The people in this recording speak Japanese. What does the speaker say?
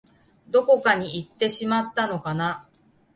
どこかにいってしまったのかな